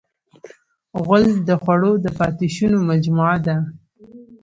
غول د خوړو د پاتې شونو مجموعه ده.